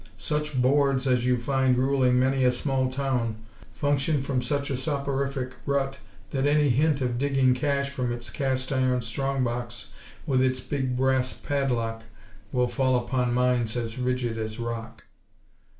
Such "Boards" as you find ruling many a small town, function from such a soporific rut that any hint of digging cash from its cast iron strong box with its big brass padlock, will fall upon minds as rigid as rock.